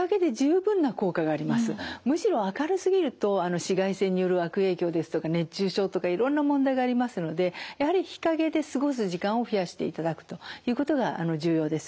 むしろ明るすぎると紫外線による悪影響ですとか熱中症とかいろんな問題がありますのでやはり日陰で過ごす時間を増やしていただくということが重要です。